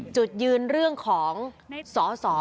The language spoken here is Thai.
จุดยืนเรื่องของสส